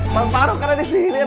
mang paruk anak disini